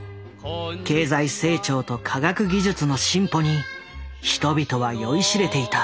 経済成長と科学技術の進歩に人々は酔いしれていた。